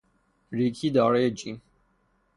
ریکی دارای جین